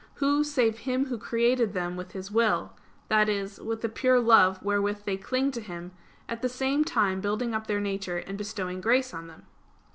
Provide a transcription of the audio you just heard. Who, save Him Who created them with His will, that is, with the pure love wherewith they cling to Him; at the same time building up their nature and bestowing grace on them?"